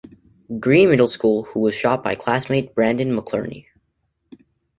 Green Middle School who was shot by classmate Brandon McInerney.